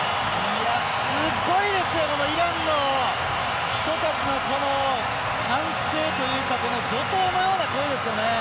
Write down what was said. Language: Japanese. すごいですよねイランの人たちの歓声というか怒とうのような声ですよね。